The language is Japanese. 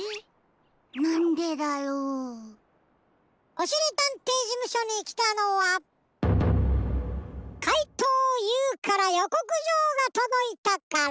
おしりたんていじむしょにきたのはかいとうＵからよこくじょうがとどいたから。